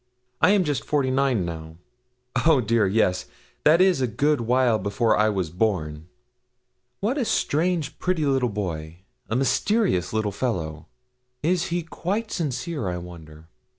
I am just forty nine now. Oh dear, yes; that is a good while before I was born. What a strange, pretty little boy! a mysterious little fellow. Is he quite sincere, I wonder?